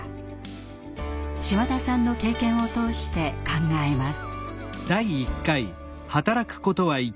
島田さんの経験を通して考えます。